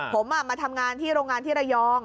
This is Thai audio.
ผมมาทำงานที่โรงงานที่ระยอง